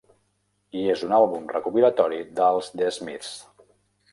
I és un àlbum recopilatori dels The Smiths.